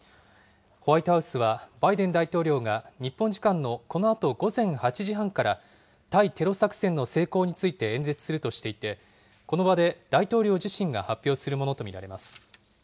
ホワイトハウスはバイデン大統領が日本時間のこのあと午前８時半から、対テロ作戦の成功について演説するとしていて、この場で大統領自身が発表するものと見られます。